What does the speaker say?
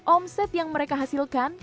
omset yang mereka hasilkan